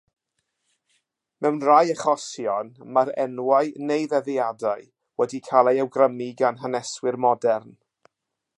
Mewn rhai achosion mae'r enwau neu ddyddiadau wedi cael eu hawgrymu gan haneswyr modern.